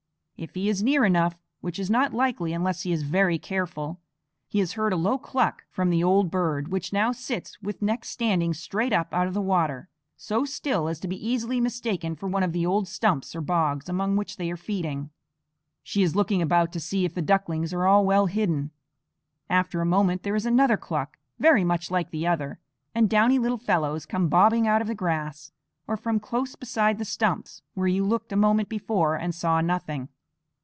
If he is near enough, which is not likely unless he is very careful, he has heard a low cluck from the old bird, which now sits with neck standing straight up out of the water, so still as to be easily mistaken for one of the old stumps or bogs among which they are feeding. She is looking about to see if the ducklings are all well hidden. After a moment there is another cluck, very much like the other, and downy little fellows come bobbing out of the grass, or from close beside the stumps where you looked a moment before and saw nothing.